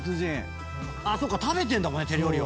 食べてんだもんね手料理を。